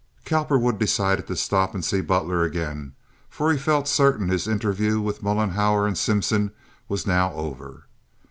Cowperwood decided to stop and see Butler again for he felt certain his interview with Mollenhauer and Simpson was now over.